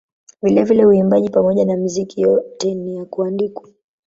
Vilevile uimbaji pamoja na muziki yote ni ya kuandikwa.